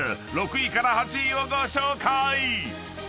６位から８位をご紹介！］